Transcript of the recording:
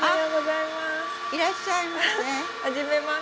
いらっしゃいませ。